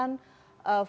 di indonesia di indonesia